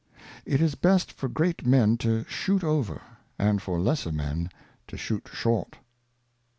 It is best for great Men to shoot over, and for lesser Men to shoot short.